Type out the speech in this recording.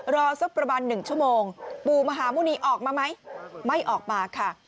รอสักประมาณ๑ชั่วโมงปู่มหาหมุณีออกมาไหมไม่ออกมาค่ะ